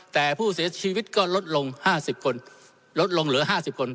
แต่ผู้เสียชีวิตก็ลดลงห้าสิบคนลดลงเหลือห้าสิบคน